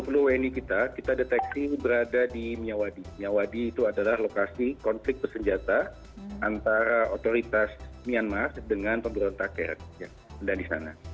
ke dua puluh wni kita kita deteksi berada di miyawadi miyawadi itu adalah lokasi konflik pesenjata antara otoritas myanmar dengan pemerintah kerajaan yang ada di sana